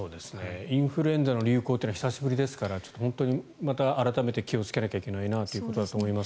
インフルエンザの流行は久しぶりですからまた改めて気をつけなきゃいけないなというところだと思います。